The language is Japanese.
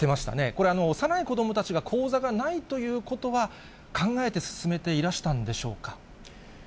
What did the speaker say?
これ、幼い子どもたちが口座がないということは、考えて進めていらしたんでしょうか。